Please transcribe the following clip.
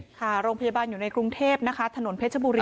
ค่ะโรงพยาบาลอยู่ในกรุงเทพนะคะถนนเพชรบุรี